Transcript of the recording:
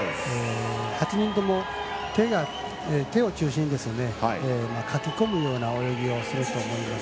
８人とも、手を中心にかき込むような泳ぎをすると思います。